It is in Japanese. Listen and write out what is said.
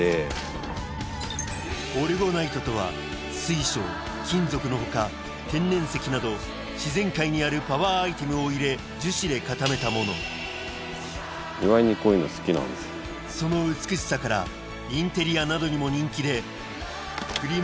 オルゴナイトとは水晶金属の他天然石など自然界にあるパワーアイテムを入れ樹脂で固めたものその美しさからインテリアなどにも人気でフリマ